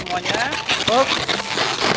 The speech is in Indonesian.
saya ambil semuanya